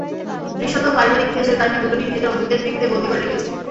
দৃশ্যত পারিবারিক ইতিহাসের কারণে দুজনই নিজেদের অতীতের বৃত্তে বন্দী করে রেখেছেন।